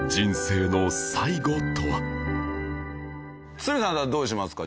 堤さんどうしますか？